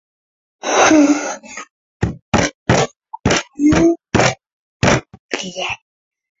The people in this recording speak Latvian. Apkārt baznīcai ir koka žogs mūra stabos.